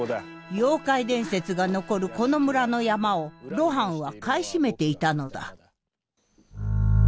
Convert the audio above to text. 妖怪伝説が残るこの村の山を露伴は買い占めていたのだ。